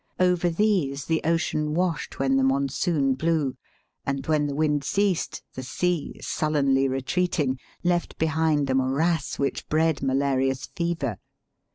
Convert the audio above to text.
Over these the ocean washed when the monsoon blew; and when the wind ceased, the sea, sullenly retreating, left behind a morass which bred malarious fever.